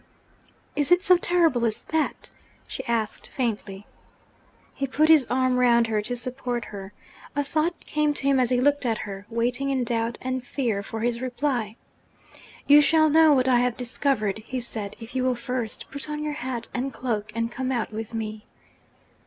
'Is it so terrible as that?' she asked faintly. He put his arm round her to support her. A thought came to him as he looked at her, waiting in doubt and fear for his reply. 'You shall know what I have discovered,' he said, 'if you will first put on your hat and cloak, and come out with me.'